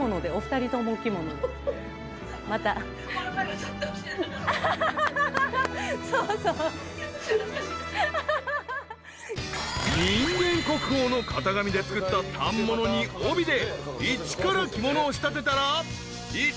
［人間国宝の型紙で作った反物に帯で一から着物を仕立てたらいったいお幾ら？］